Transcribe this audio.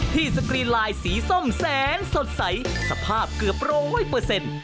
สกรีนไลน์สีส้มแสนสดใสสภาพเกือบร้อยเปอร์เซ็นต์